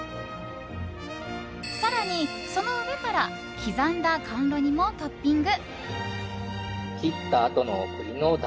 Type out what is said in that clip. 更に、その上から刻んだ甘露煮もトッピング！